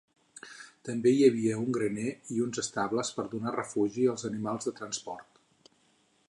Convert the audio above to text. També hi havia un graner i uns estables per donar refugi als animals de transport.